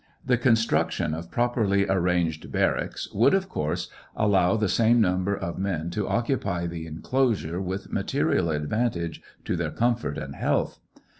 The construction of properly arranged barracks would, of course, allow the same number of men to occupy the enclosure with material advantage to their comfort and health.